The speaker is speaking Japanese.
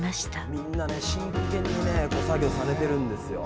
みんな真剣に作業されてるんですよ。